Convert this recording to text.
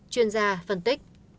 chuyên gia phân tích